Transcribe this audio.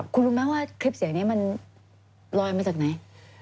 คุณรู้ไหมว่าคลิปเสียงนี้มันลอยมาจากไหน